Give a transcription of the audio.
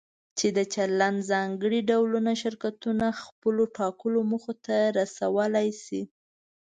چې د چلند ځانګړي ډولونه شرکتونه خپلو ټاکلو موخو ته رسولی شي.